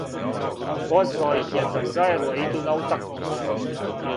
Позвао их је да заједно иду на утакмицу.